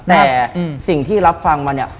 แต่สิ่งที่รับฟังมาเนี่ย